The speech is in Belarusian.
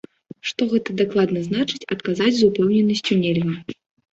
Што гэта дакладна значыць, адказаць з упэўненасцю нельга.